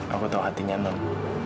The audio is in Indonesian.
aku tau hatinya non